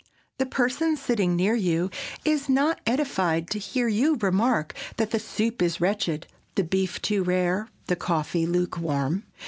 The person sitting near you is not edified to hear you remark that the soup is wretched, the beef too rare, the coffee lukewarm.